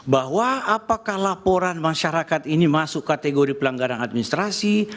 bahwa apakah laporan masyarakat ini masuk kategori pelanggaran administrasi